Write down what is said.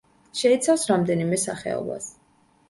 შეიცავს რამდენიმე სახეობას.